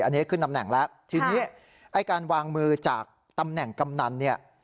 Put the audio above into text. อันนี้ขึ้นตำแหน่งแล้วทีนี้ไอ้การวางมือจากตำแหน่งกำนันเนี่ย